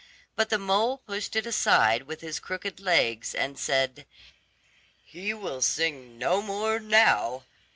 But the mole pushed it aside with his crooked legs, and said, "He will sing no more now.